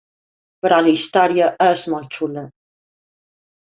Però la història és molt xula.